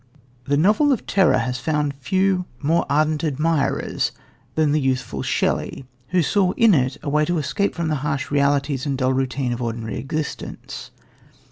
The "novel of terror" has found few more ardent admirers than the youthful Shelley, who saw in it a way of escape from the harsh realities and dull routine of ordinary existence.